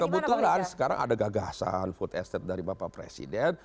kebetulan sekarang ada gagasan food estate dari bapak presiden